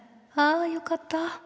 あよかった。